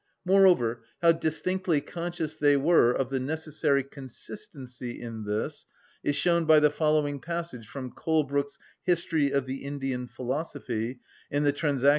Moreover, how distinctly conscious they were of the necessary consistency in this is shown by the following passage from Colebrooke's "History of the Indian Philosophy" in the "Transac.